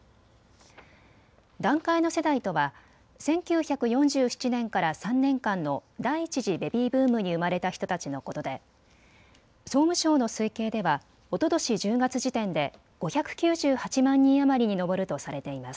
団塊の世代とは１９４７年から３年間の第一次ベビーブームに生まれた人たちのことで総務省の推計ではおととし１０月時点で５９８万人余りに上るとされています。